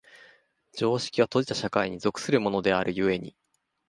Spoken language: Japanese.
常識は閉じた社会に属するものである故に、